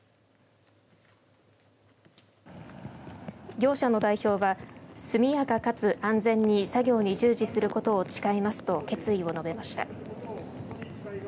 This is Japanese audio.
業者の代表は速やかかつ安全に作業に従事することを誓いますと決意を述べました。